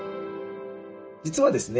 実はですね